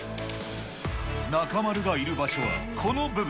中丸がいる場所はこの部分。